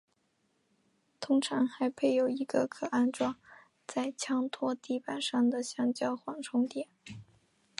通常还配有一个可安装在枪托底板上的橡胶缓冲垫。